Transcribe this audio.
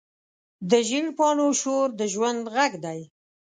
د زېړ پاڼو شور د ژوند غږ دی